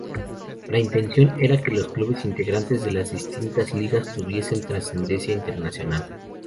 La intención era que los clubes integrantes de las distintas ligas tuviesen trascendencia internacional.